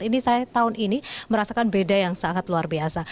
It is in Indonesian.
ini saya tahun ini merasakan beda yang sangat luar biasa